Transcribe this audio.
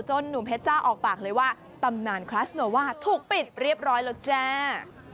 หนุ่มเพชรจ้าออกปากเลยว่าตำนานคลัสโนว่าถูกปิดเรียบร้อยแล้วจ้า